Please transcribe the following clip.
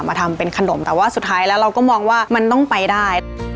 ทำเป็นขนมแต่ว่าสุดท้ายแล้วเราก็มองว่ามันต้องไปได้